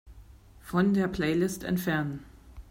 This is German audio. Von der Playlist entfernen.